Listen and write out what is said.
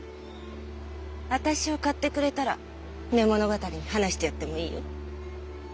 私を買ってくれたら寝物語に話してやってもいいよ。